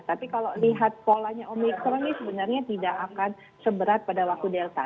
tapi kalau lihat polanya omikron ini sebenarnya tidak akan seberat pada waktu delta